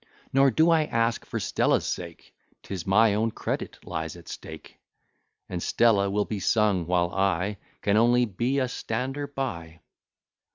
Nor do I ask for Stella's sake; 'Tis my own credit lies at stake: And Stella will be sung, while I Can only be a stander by.